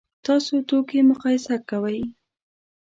تاسو توکي مقایسه کوئ؟